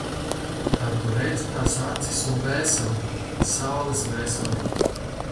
Tad tu redzi tās acis un dvēseli, Saules Dvēseli.